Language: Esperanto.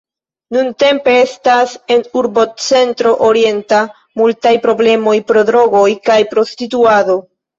Nuntempe estas en Urbocentro Orienta multaj problemoj pro drogoj kaj prostituado.